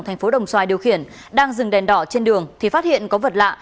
thành phố đồng xoài điều khiển đang dừng đèn đỏ trên đường thì phát hiện có vật lạ